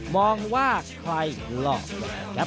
มองว่าใครหลอกกันครับ